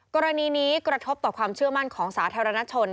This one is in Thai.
กรณีนี้กระทบต่อความเชื่อมั่นของสาธารณชน